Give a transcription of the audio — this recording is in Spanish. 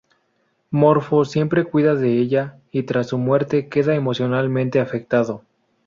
Morfo siempre cuida de ella y tras su muerte queda emocionalmente afectado.